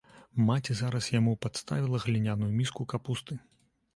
Маці зараз яму падставіла гліняную міску капусты.